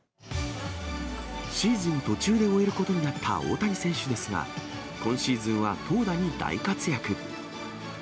シーズン途中で終えることになった大谷選手ですが、今シーズンは投打に大活躍。